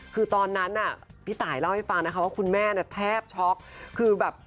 คือตอนนั้นพี่ตายเล่าให้ฟังว่าคุณแม่แทบช็อกคือแบบ